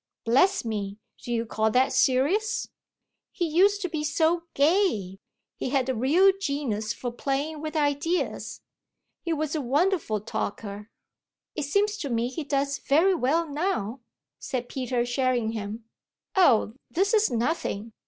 "Bless me, do you call that serious?" "He used to be so gay. He had a real genius for playing with ideas. He was a wonderful talker." "It seems to me he does very well now," said Peter Sherringham. "Oh this is nothing.